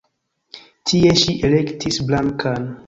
Tie ŝi elektis Blankan.